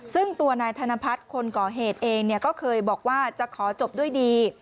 ซึ่งตัวนายธนพัฒน์คนก่อเหตุเองก็เคยบอกว่าจะขอจบด้วยดี